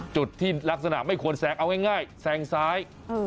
จุดที่ลักษณะไม่ควรแซงเอาง่ายแซงซ้าย